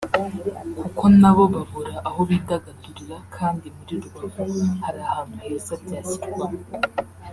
kuko nabo babura aho bidagadurira kandi muri Rubavu hari ahantu heza byashyirwamo